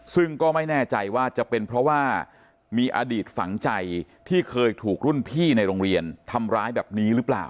ซึ่งก็ไม่แน่ใจว่าจะเป็นเพราะว่ามีอดีตฝังใจที่เคยถูกรุ่นพี่ในโรงเรียนทำร้ายแบบนี้หรือเปล่า